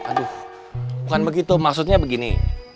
aduh bukan begitu maksudnya begini